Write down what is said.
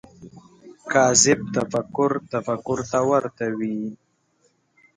کاذب تفکر تفکر ته ورته وي